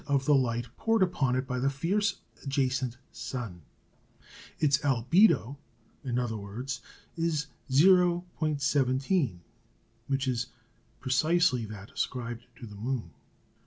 of the light poured upon it by the fierce adjacent sun. Its "albedo," in other words, is 0·17, which is precisely that ascribed to the moon.